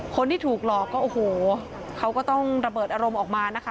คนที่ถูกหลอกก็โอ้โหเขาก็ต้องระเบิดอารมณ์ออกมานะคะ